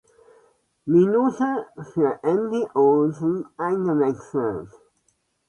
Minute für Andy Olsen eingewechselt.